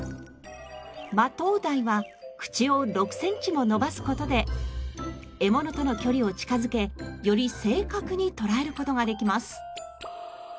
マトウダイは口を６センチも伸ばす事で獲物との距離を近づけより正確に捕らえる事ができます。